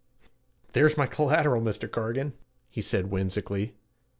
'There's my collateral, Mr. Cargan,' he said whimsically.